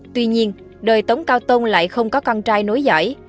tuy nhiên đời tống cao tông lại không có con trai nối giỏi